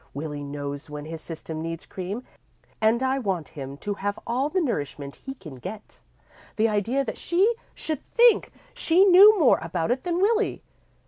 Willie knows when his system needs cream and I want him to have all the nourishment he can get. The idea that she should think she knew more about it than Willie!